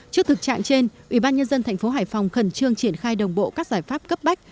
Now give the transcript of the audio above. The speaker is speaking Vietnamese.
trước thực trạng trên ubnd tp hải phòng khẩn trương triển khai đồng bộ các giải pháp cấp bách